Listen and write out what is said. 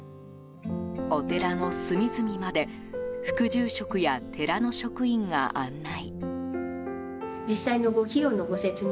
お寺の隅々まで副住職や寺の職員が案内。